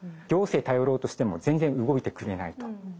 行政頼ろうとしても全然動いてくれないと。